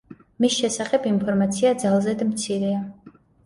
მის შესახებ ინფორმაცია ძალზედ მცირეა.